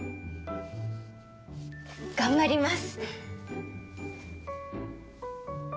頑張ります